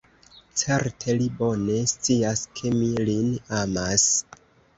Certe li bone scias, ke mi lin amas.